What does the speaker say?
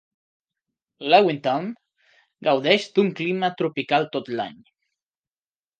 Levittown gaudeix d'un clima tropical tot l'any.